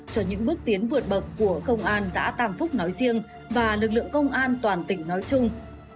cho những bước tiến vượt bậc của công an giã tàm phúc nói riêng và lực lượng công an toàn tỉnh nói chung